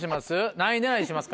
何位狙いにしますか？